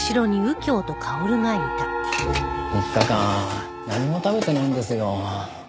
３日間何も食べてないんですよ。